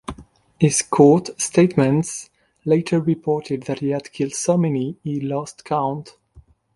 His court statements later reported that he had killed so many, he lost count.